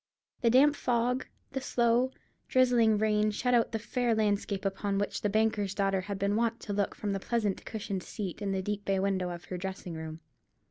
The damp fog, the slow, drizzling rain shut out the fair landscape upon which the banker's daughter had been wont to look from the pleasant cushioned seat in the deep bay window of her dressing room.